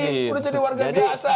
sudah jadi warga biasa